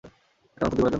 এটা আমার ক্ষতি করার জন্য!